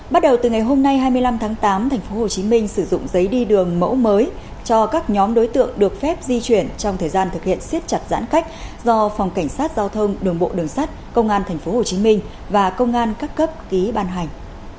bắt đầu từ ngày hôm nay hai mươi năm tháng tám tp hcm sử dụng giấy đi đường mẫu mới cho các nhóm đối tượng được phép di chuyển trong thời gian thực hiện siết chặt giãn cách do phòng cảnh sát giao thông đường bộ đường sắt công an tp hcm và công an các cấp ký ban hành